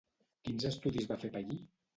Quins estudis va fer Pallí?